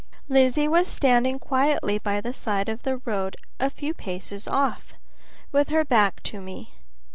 Lizzie was standing quietly by the side of the road a few paces off, with her back to me.